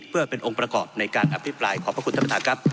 เพื่อเป็นองค์ประกอบในการอภิปรายขอบพระคุณท่านประธานครับ